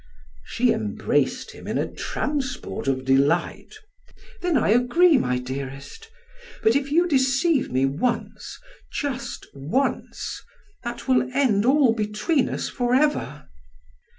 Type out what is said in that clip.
She embraced him in a transport of delight. "Then I agree, my dearest. But if you deceive me once just once, that will end all between us forever."